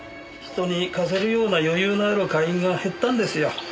人に貸せるような余裕のある会員が減ったんですよ。